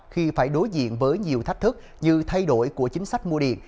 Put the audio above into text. khi phải đối diện với nhiều thách thức như thay đổi của chính sách mua điện